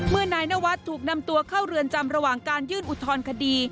นายนวัดถูกนำตัวเข้าเรือนจำระหว่างการยื่นอุทธรณคดี